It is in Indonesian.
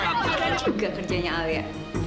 apa apa juga kerjanya alia